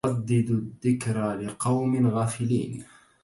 رددوا الذكرى لقوم غافلين